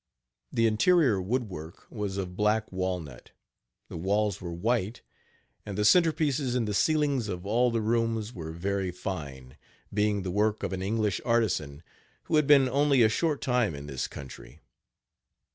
The interior woodwork was of black walnut. The walls were white, and the centerpieces in the ceilings of all the rooms were very fine, being the work of an English artisan, who had been only a short time in this country.